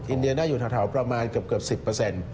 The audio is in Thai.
อินเดียน่าอยู่แถวประมาณเกือบ๑๐เปอร์เซ็นต์